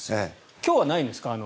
今日はないんですか？